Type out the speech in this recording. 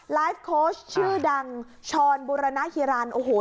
ไลฟ์โคชชื่อดังชรบุรณฮิรันทร์